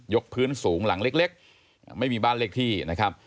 พื้นสูงหลังเล็กไม่มีบ้านเลขที่นะครับ